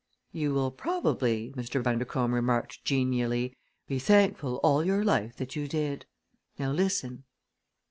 "You will probably," Mr. Bundercombe remarked genially, "be thankful all your life that you did. Now listen!"